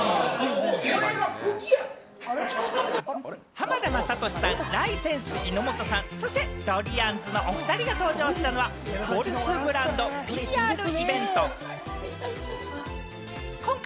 浜田雅功さん、ライセンス・井本さん、そして、どりあんずのお２人が登場したのはゴルフブランドＰＲイベント。